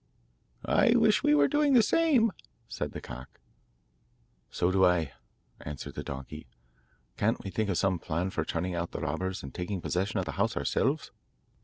'I wish we were doing the same,' said the cock. 'So do I,' answered the donkey. 'Can't we think of some plan for turning out the robbers, and taking possession of the house ourselves?